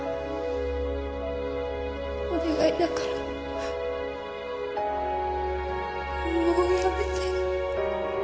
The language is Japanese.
お願いだからもうやめて。